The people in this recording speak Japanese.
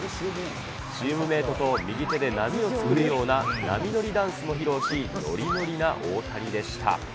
チームメートと右手で波を作るような波乗りダンスも披露し、ノリノリな大谷でした。